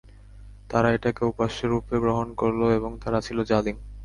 তারা এটাকে উপাস্যরূপে গ্রহণ করল এবং তারা ছিল জালিম।